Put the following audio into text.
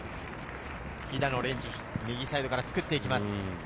肥田野蓮治、右サイドから作っていきます。